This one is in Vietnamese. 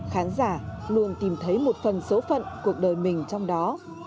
khán giả luôn tìm thấy một phần số phận cuộc đời mình trong đó